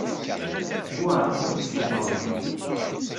D bu uɛaṛqub i yessummṛen.